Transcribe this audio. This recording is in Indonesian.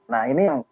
nah ini yang